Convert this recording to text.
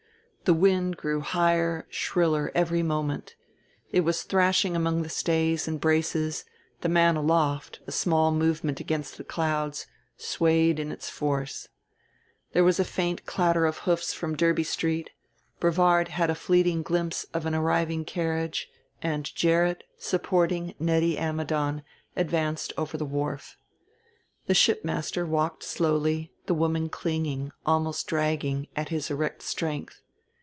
The wind grew higher, shriller, every moment; it was thrashing among the stays and braces; the man aloft, a small movement against the clouds, swayed in its force. There was a faint clatter of hoofs from Derby Street, Brevard had a fleeting glimpse of an arriving carriage, and Gerrit, supporting Nettie Ammidon, advanced over the wharf. The shipmaster walked slowly, the woman clinging, almost dragging, at his erect strength.